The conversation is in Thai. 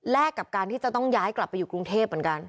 กับการที่จะต้องย้ายกลับไปอยู่กรุงเทพเหมือนกัน